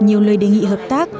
nhiều lời đề nghị hợp tác